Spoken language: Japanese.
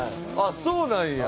そうなんや。